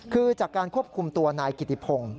คือจากการควบคุมตัวนายกิติพงศ์